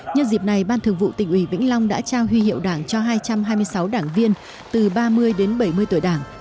nhân dịp này ban thường vụ tỉnh ủy vĩnh long đã trao huy hiệu đảng cho hai trăm hai mươi sáu đảng viên từ ba mươi đến bảy mươi tuổi đảng